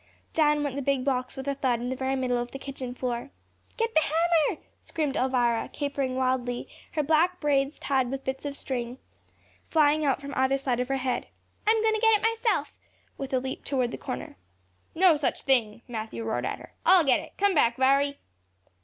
Down went the big box with a thud in the very middle of the kitchen floor. "Get the hammer," screamed Elvira, capering wildly, her black braids, tied with bits of string, flying out from either side of her head. "I'm goin' to get it myself," with a leap toward the corner. "No such thing," Matthew roared at her. "I'll get it. Come back, Viry."